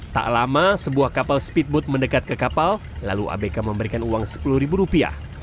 tak lama sebuah kapal speedboat mendekat ke kapal lalu abk memberikan uang sepuluh ribu rupiah